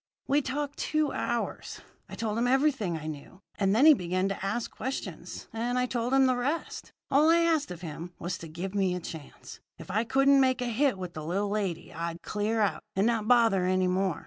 "We talked two hours. I told him everything I knew; and then he began to ask questions, and I told him the rest. All I asked of him was to give me a chance. If I couldn't make a hit with the little lady, I'd clear out, and not bother any more.